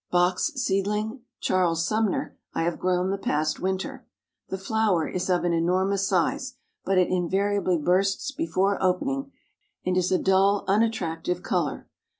Bock's Seedling, Charles Sumner, I have grown the past winter. The flower is of an enormous size, but it invariably bursts before opening, and is a dull unattractive color.